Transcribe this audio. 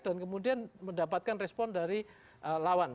dan kemudian mendapatkan respon dari lawan